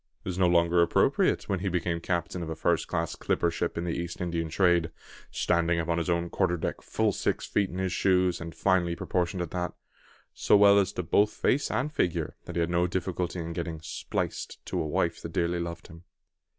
It was no longer appropriate when he became the captain of a first class clipper ship in the East Indian trade, standing upon his own quarter deck full six feet in his shoes, and finely proportioned at that, so well as to both face and figure, that he had no difficulty in getting "spliced" to a wife that dearly loved him.